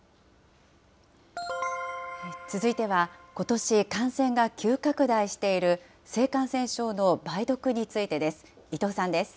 続いては、ことし感染が急拡大している性感染症の梅毒についてです。